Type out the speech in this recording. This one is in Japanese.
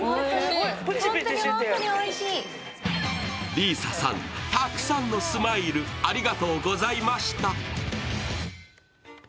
里依紗さん、たくさんのスマイルありがとうございました。